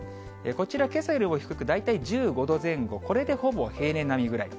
こちら、けさよりも低く、大体１５度前後、これでほぼ平年並みぐらい。